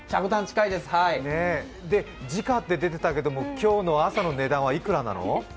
時価って出てたけど、今日の朝の値段はいくらなの？